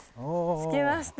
着きました。